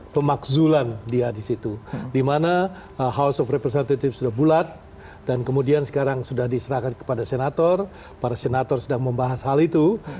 pemerintah iran berjanji akan membalas serangan amerika yang tersebut